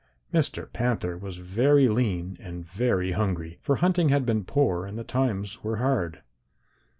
Mr. Panther was very lean and very hungry, for hunting had been poor and the times were hard.